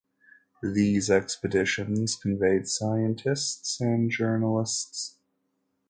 These expeditions conveyed scientists and journalists.